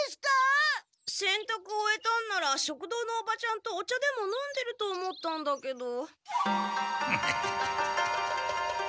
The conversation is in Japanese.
せんたく終えたんなら食堂のおばちゃんとお茶でも飲んでると思ったんだけど。